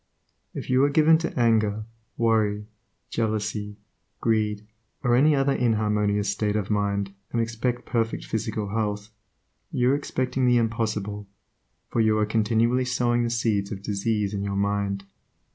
If you are given to anger, worry, jealousy, greed, or any other inharmonious state of mind, and expect perfect physical health, you are expecting the impossible, for you are continually sowing the seeds of disease in your mind.